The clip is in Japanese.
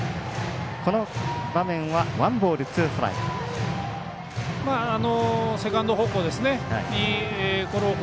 この場面はワンボールツーストライク。